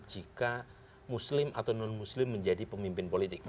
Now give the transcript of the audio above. jika muslim atau non muslim menjadi pemimpin politik